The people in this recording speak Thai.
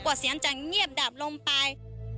เสียงจะเงียบดับลงไป